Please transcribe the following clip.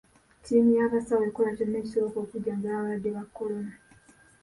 Ttiimu y'abasawo ekola kyonna ekisoboka okujjanjaba abalwadde ba kolona.